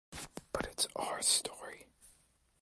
But it’s our story.